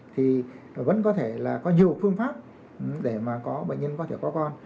thì vẫn có thể là có nhiều phương pháp để mà có bệnh nhân có thể có con